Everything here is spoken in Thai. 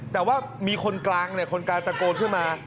แต่ว่ามีคนกลางคนกลางตะโกนขึ้นมา